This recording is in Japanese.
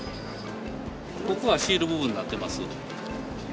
ここがシール部分になってます。